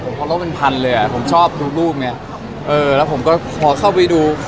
ผมร่วมมันพันเลยอะผมชอบดูรูปเนี่ยมีแล้วผมก็เข้าไปดู